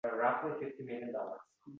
O‘tmishni soxtalashiradi.